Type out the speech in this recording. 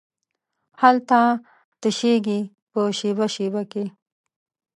هلته تشېږې په شیبه، شیبه کې